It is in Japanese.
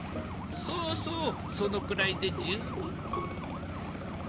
そうそうそのくらいで十分。